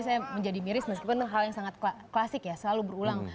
saya menjadi miris meskipun hal yang sangat klasik ya selalu berulang